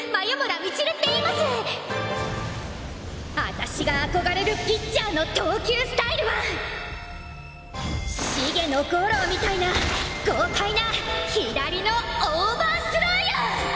私が憧れるピッチャーの投球スタイルは茂野吾郎みたいな豪快な左のオーバースローよ！